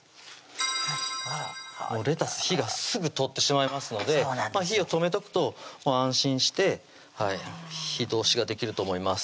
もうレタス火がすぐ通ってしまいますので火を止めとくと安心して火通しができると思います